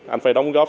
anh phải đóng góp